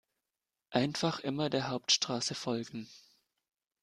Einfach immer der Hauptstraße folgen.